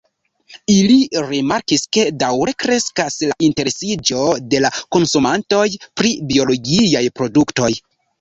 Ili rimarkis ke daŭre kreskas la interesiĝo de la konsumantoj pri biologiaj produktoj.